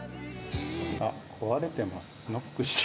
あっ、壊れてます。